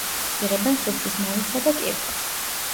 იღებენ სუფრის მარილსა და კირქვას.